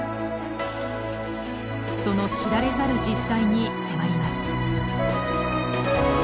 その知られざる実態に迫ります。